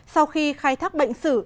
sau khi khai thác bệnh sử